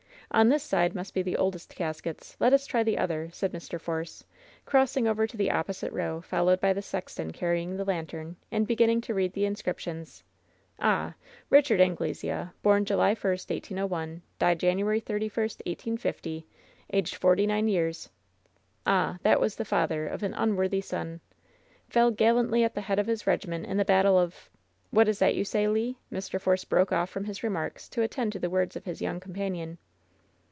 "On this side must be the oldest caskets ; let us try the other,^^ said Mr. Force, crossing over to the opposite row> followed by the sexton carrying the lantern, and begin ning to read the inscriptions: "Ah! Eichard Anglesea, bom July 1, 1801, died January 31, 1850; aged 49 years. AJiI that was the father of an unworthy son I Fell gallantly at the head of his regiment in the battle of What is that you say, Le ?" Mr. Force broke off from his remarks to at tend to the words of his young companion.